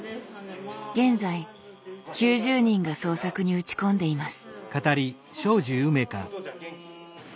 現在９０人が創作に打ち込んでいます。